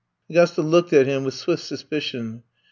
'Gusta looked at him with swift suspi cion.